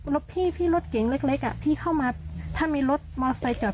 รถพี่พี่รถเก่งเล็กอ่ะพี่เข้ามาถ้ามีรถมอเซอร์จอด